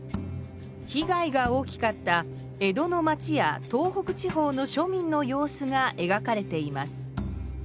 被害が大きかった江戸の町や東北地方のしょみんの様子がえがかれています。